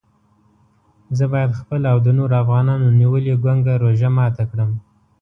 زه باید خپله او د نورو افغانانو نیولې ګونګه روژه ماته کړم.